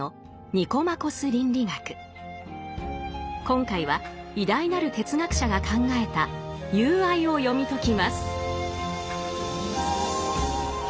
今回は偉大なる哲学者が考えた「友愛」を読み解きます。